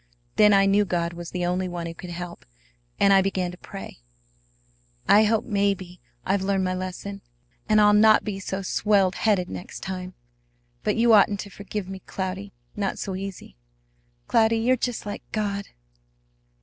Then I knew God was the only one who could help, and I began to pray. I hope maybe I've learned my lesson, and I'll not be so swelled headed next time. But you oughtn't to forgive me, Cloudy, not so easy. Cloudy, you're just like God!"